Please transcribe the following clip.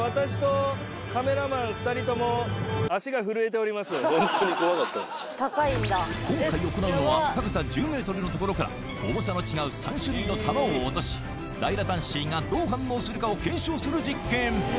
２人とも今回行うのは高さ１０ｍのところから重さの違う３種類の球を落としダイラタンシーがどう反応するかを検証する実験